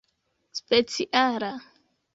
speciala